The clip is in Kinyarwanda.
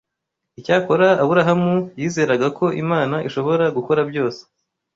Icyakora Aburahamu yizeraga ko Imana ishobora gukora byose